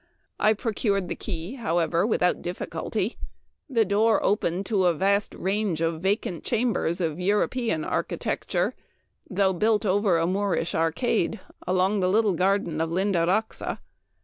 I procured the key, however, without difficulty. The door opened to a range o\ vacant chambers of European architecture, though built over a Moorish arcade along the little garden of Lind araxa.